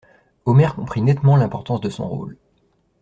Omer comprit nettement l'importance de son rôle.